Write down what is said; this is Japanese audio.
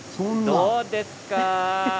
どうですか？